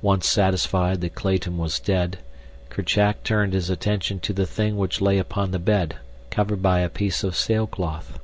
Once satisfied that Clayton was dead, Kerchak turned his attention to the thing which lay upon the bed, covered by a piece of sailcloth.